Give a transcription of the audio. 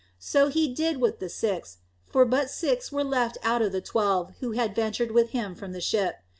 So he did with the six, for but six were left out of the twelve who had ventured with him from the ship.